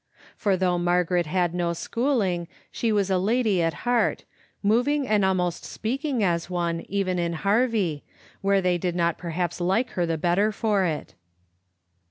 For though Mar garet had no schooling, she was a lady at heart, moving and almost speaking as one even in Harvie, where they did not perhaps like her the better for it.